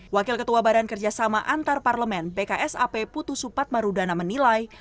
wakil ketua badan kerjasama antar parlemen bksap putusupat marudana menilai